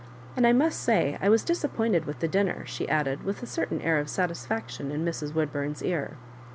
And I must say I was disappointed with the dinner,*' she added, with a certain air of satisfaction, in Mrs. Wood bum's ear.